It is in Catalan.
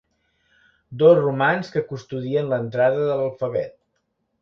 Dos romans que custodien l'entrada de l'alfabet.